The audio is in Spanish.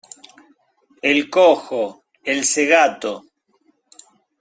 el cojo , el cegato